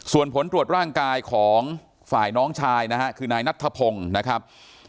ส่วนผลตรวจร่างกายของฝ่ายน้องชายนะฮะคือนายนัทธพงศ์นะครับ